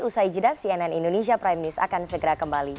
usai jeda cnn indonesia prime news akan segera kembali